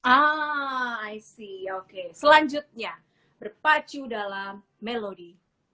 ah i see oke selanjutnya berpacu dalam melodi